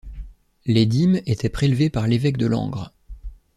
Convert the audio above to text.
Les dîmes étaient prélevées par l'évêque de Langres.